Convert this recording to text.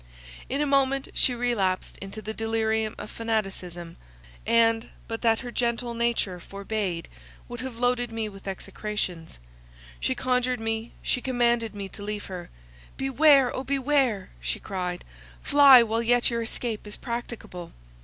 In a moment she relapsed into the delirium of fanaticism, and, but that her gentle nature forbade, would have loaded me with execrations. She conjured me, she commanded me to leave her— "Beware, O beware," she cried, "fly while yet your escape is practicable.